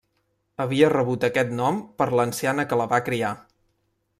Havia rebut aquest nom per l'anciana que la va criar.